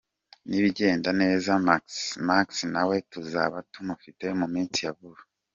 Nibigenda neza, Maxi nawe tuzaba tumufite mu minsi ya vuba.